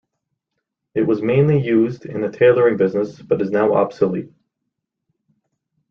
It was mainly used in the tailoring business but is now obsolete.